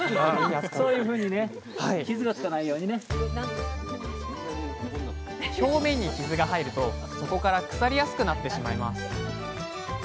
そういうふうにね表面に傷が入るとそこから腐りやすくなってしまいます。